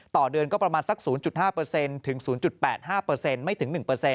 ต่อเดือนก็ประมาณสัก๐๕๐ถึง๐๘๕ไม่ถึง๑